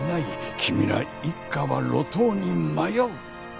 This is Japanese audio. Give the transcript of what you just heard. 君ら一家は路頭に迷う。